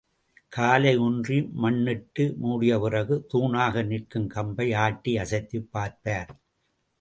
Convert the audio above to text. காலை ஊன்றி மண்இட்டு மூடியபிறகு தூணாக நிற்கும் கம்பை ஆட்டி அசைத்துப் பார்ப்பார்.